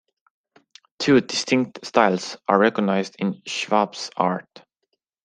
Two distinct styles are recognized in Schwabe's art.